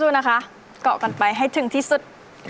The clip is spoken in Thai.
ก็สู้นะคะกล่อกันไปให้ถึงที่สุด